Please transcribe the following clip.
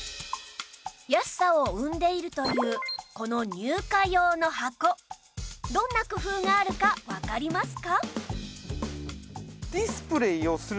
安さを生んでいるというこの入荷用の箱どんな工夫があるかわかりますか？